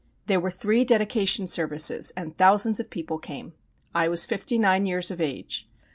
There were three dedication services and thousands of people came. I was fifty nine years of age.